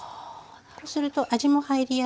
こうすると味も入りやすいので。